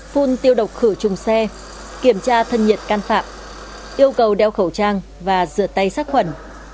phun tiêu độc khử trùng xe kiểm tra thân nhiệt can phạm yêu cầu đeo khẩu trang và rửa tay sát khuẩn